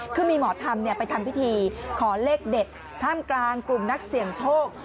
คือมีหมอธรรมไปทำพิธีขอเลขเด็ดท่ามกลางกลุ่มนักเสี่ยงโชค